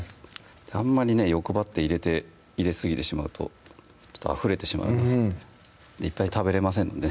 あんまりね欲張って入れすぎてしまうとあふれてしまいますのでいっぱい食べれませんもんね